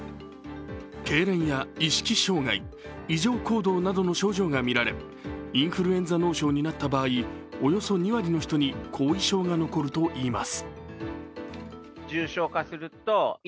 けいれんや意識障害、異常行動などの症状がみられ、インフルエンザ脳症になった場合、およそ２割の人に後遺症が残るといいます。